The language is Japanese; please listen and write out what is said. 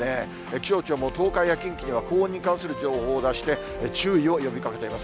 気象庁も東海や近畿には、高温に関する情報を出して、注意を呼びかけています。